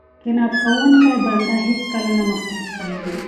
قناعت کوونکی بنده هېڅکله نه محتاج کیږي.